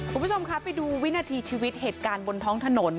คุณผู้ชมคะไปดูวินาทีชีวิตเหตุการณ์บนท้องถนน